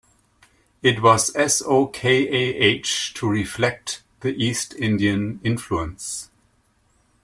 It was s-o-k-a-h to reflect the East Indian influence.